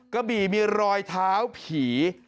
กระบี่มีรอยเท้าผี